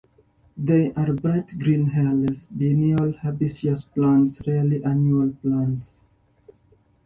They are bright green hairless biennial herbaceous plants, rarely annual plants.